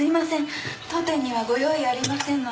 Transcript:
当店にはご用意ありませんので。